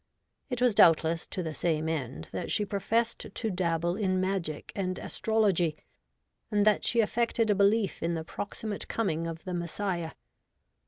It was doubtless to the same end that she professed to dabble in magic and astrology, and that she affected a belief in the proximate coming of the Messiah.